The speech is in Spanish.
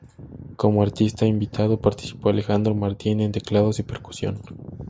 Como artista invitado participó Alejandro Martín en teclados y percusión.